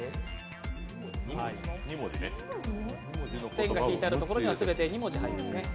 線が引いてあるところは全て２文字ですね。